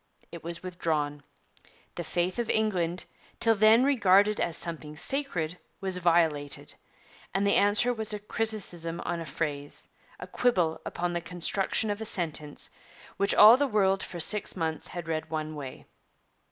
It was withdrawn. The faith of England till then regarded as something sacred was violated; and the answer was a criticism on a phrase a quibble upon the construction of a sentence, which all the world for six months had read one way.